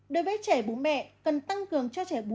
đối với trẻ bú mẹ cần tăng cường cho trẻ bú